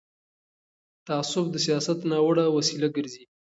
تعصب د سیاست ناوړه وسیله ګرځي